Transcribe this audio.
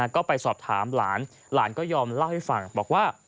ก็ไปสอบถามหลานหลานก็ยอมเล่าให้ฟังบอกว่า